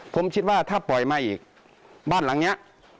ผมคิดว่าถ้าปล่อยมาอีกบ้านหลังนี้